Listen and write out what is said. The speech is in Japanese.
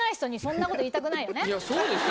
いやそうですよ。